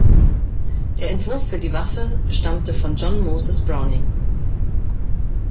Der Entwurf für die Waffe stammte von John Moses Browning.